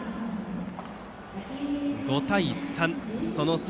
５対３、その差